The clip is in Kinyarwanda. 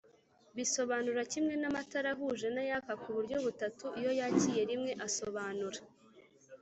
Bisobanura kimwe n amatara ahuje n ayaka ku buryo butatu iyo yakiye rimwe asobanura